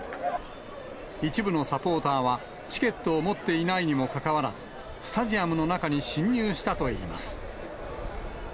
一部のサポーターは、チケットを持っていないにもかかわらず、スタジアムの中に侵入したといいます。